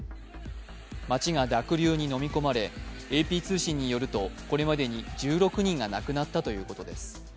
街が濁流にのみ込まれ、ＡＰ通信によると、これまでに、１６人が亡くなったということです。